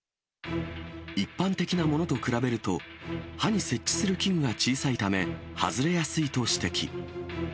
一般的なものと比べると、歯に設置する器具が小さいため、外れやすいと指摘。